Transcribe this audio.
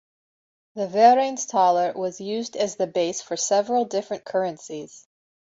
The Vereinsthaler was used as the base for several different currencies.